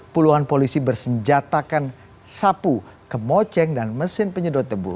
puluhan polisi bersenjatakan sapu kemoceng dan mesin penyedot debu